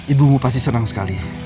ibu ibu pasti senang sekali